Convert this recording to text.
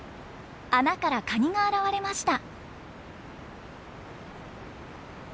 穴からカニが現れました。